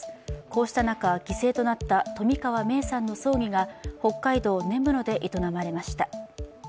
こうした中、犠牲となった冨川芽生さんの葬儀が北海道根室で営まれました。